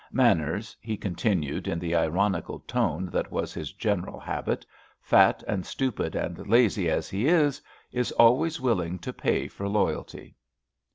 Manners," he continued, in the ironical tone that was his general habit, "fat and stupid and lazy as he is, is always willing to pay for loyalty!"